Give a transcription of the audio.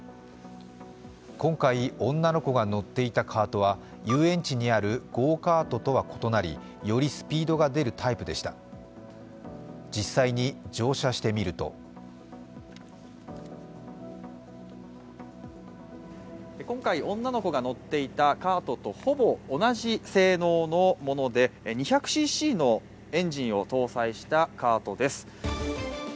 今回女の子が乗っていたカートは遊園地にあるゴーカートとは異なりよりスピードが出るタイプでした実際に乗車してみると今回女の子が乗っていたカートとほぼ同じ性能のもので、２００ｃｃのエンジンを搭載したカートです。